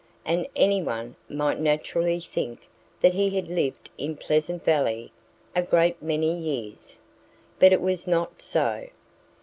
And anyone might naturally think that he had lived in Pleasant Valley a great many years. But it was not so.